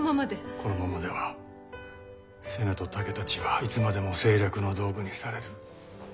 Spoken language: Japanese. このままでは瀬名と竹たちはいつまでも政略の道具にされる。